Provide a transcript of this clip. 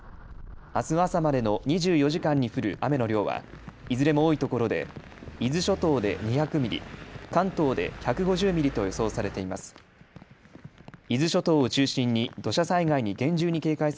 あす朝までの２４時間に降る雨の量はいずれも多いところで伊豆諸島で２００ミリ、関東で１５０ミリと予想されています。